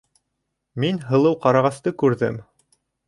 Мин Һылыу ҡарағасты күрҙем!